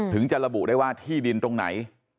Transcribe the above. ถึงจะระบุได้ว่าที่ดินตรงไหน